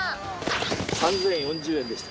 ３，０４０円でした。